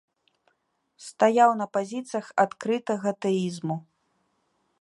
Стаяў на пазіцыях адкрытага тэізму.